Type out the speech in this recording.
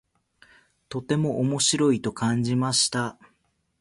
とても面白いと感じました。